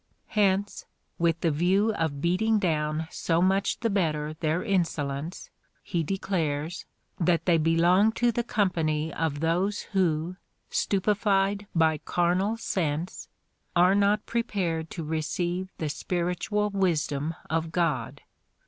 ^ Hence, with the view of beating down so much the better their in solence, he declares, that they belong to the comj^any of those who, stupified by carnal sense, are not prepared to receive the spiritual wisdom of God.